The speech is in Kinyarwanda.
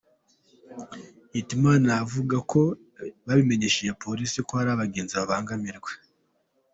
Hitimana avuga ko babimenyesheje Polisi ko hari abagenzi babangamirwa .